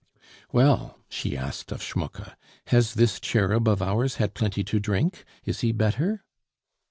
"Well?" she asked of Schmucke, "has this cherub of ours had plenty to drink? Is he better?"